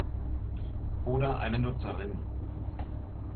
Oder eine Nutzerin!